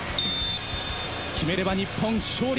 決めれば日本勝利。